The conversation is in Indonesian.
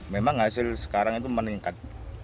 memang hasil sekarang itu meningkat